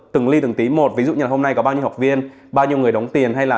từng ly từng tí một ví dụ như hôm nay có bao nhiêu học viên bao nhiêu người đóng tiền hay là